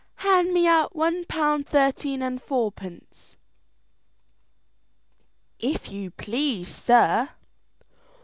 "Hand me out one pound thirteen and fourpence, if you please, sir."